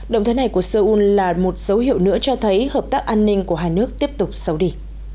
động thái này của seoul là một dấu hiệu nữa cho thấy hợp tác an ninh của hai nước tiếp tục sâu đi